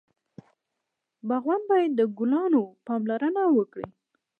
باغوان باید د ګلونو پالنه وکړي.